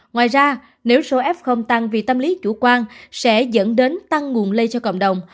ngoài ra nếu số f tăng vì tâm lý chủ quan sẽ dẫn đến tăng nguồn lây cho cộng đồng